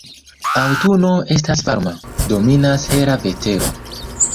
Aŭtuno estas varma, dominas hela vetero.